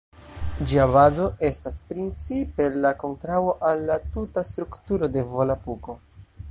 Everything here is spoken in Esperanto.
Ĝia bazo estas principe la kontraŭo al la tuta strukturo de Volapuko.